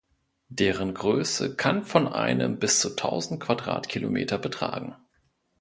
Deren Größe kann von einem bis zu tausend Quadratkilometer betragen.